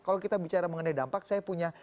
kalau kita bicara mengenai dampak saya punya